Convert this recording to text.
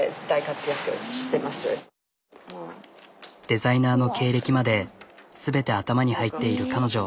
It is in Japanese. デザイナーの経歴まで全て頭に入っている彼女。